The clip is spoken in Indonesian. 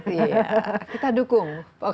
iya kita dukung